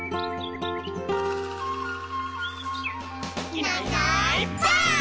「いないいないばあっ！」